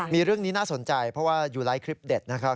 มีเรื่องนี้น่าสนใจเพราะว่ายูไลท์คลิปเด็ดนะครับ